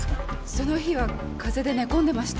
その日は風邪で寝込んでました。